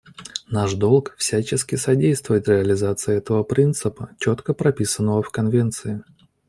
Наш долг — всячески содействовать реализации этого принципа, четко прописанного в Конвенции.